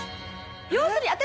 要するに私